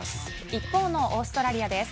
一方のオーストラリアです。